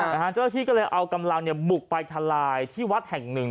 เจ้าหน้าที่ก็เลยเอากำลังเนี่ยบุกไปทลายที่วัดแห่งหนึ่ง